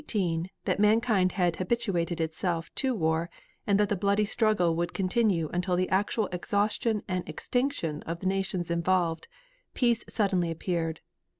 When it seemed, in 1918, that mankind had habituated himself to war and that the bloody struggle would continue until the actual exhaustion and extinction of the nations involved, peace suddenly appeared.